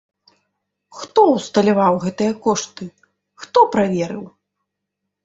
Хто ўсталяваў гэтыя кошты, хто праверыў?